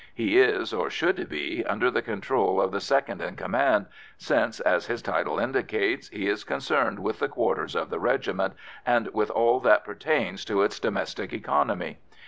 He is, or should be, under the control of the second in command, since, as his title indicates, he is concerned with the quarters of the regiment, and with all that pertains to its domestic economy.